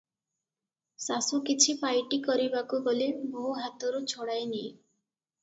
ଶାଶୁ କିଛି ପାଇଟି କରିବାକୁ ଗଲେ ବୋହୂ ହାତରୁ ଛଡ଼ାଇନିଏ ।